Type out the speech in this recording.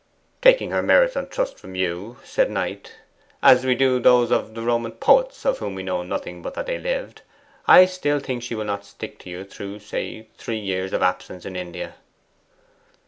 'Taking her merits on trust from you,' said Knight, 'as we do those of the Roman poets of whom we know nothing but that they lived, I still think she will not stick to you through, say, three years of absence in India.